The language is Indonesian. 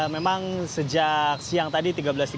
memang sejak siang tadi tiga belas tiga puluh